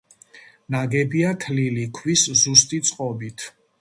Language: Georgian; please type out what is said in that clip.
ნაგებია თლილი ქვის ზუსტი წყობით.